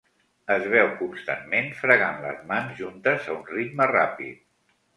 Es veu constantment fregant les mans juntes a un ritme ràpid.